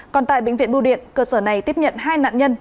còn tại bệnh viện bưu điện cơ sở này tiếp nhận hai nạn nhân